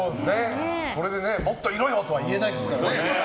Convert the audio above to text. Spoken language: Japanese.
これでもっといろよとは言えないですからね。